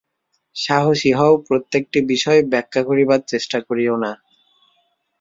সাহসী হও, প্রত্যেকটি বিষয় ব্যাখ্যা করিবার চেষ্টা করিও না।